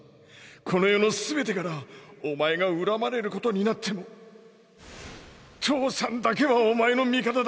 この世のすべてからお前が恨まれることになっても父さんだけはお前の味方だ。